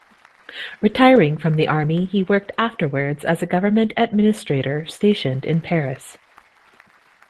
Retiring from the army, he worked afterwards as a government administrator stationed in Paris.